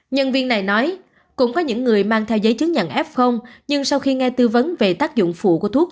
nhân viên này nói cũng có những người mang theo giấy chứng nhận f nhưng sau khi nghe tư vấn về tác dụng phụ của thuốc